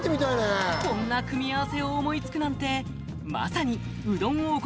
こんな組み合わせを思いつくなんてまさにうどん王国